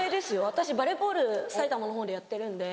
私バレーボール埼玉のほうでやってるんで。